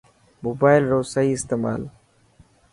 موبائل رو صحيح استعمال